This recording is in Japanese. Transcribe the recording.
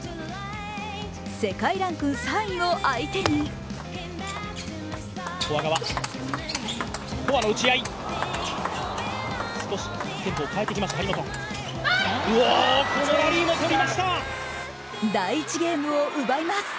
世界ランク３位を相手に第１ゲームを奪います。